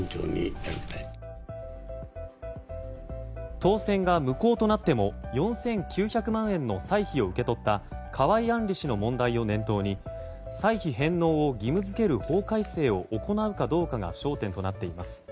当選が無効となっても４９００万円の歳費を受け取った河井案里氏の問題を念頭に歳費返納を義務付ける法改正を行うかどうかが焦点となっています。